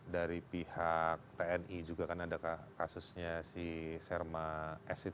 dari pihak tni juga kan ada kasusnya si serma s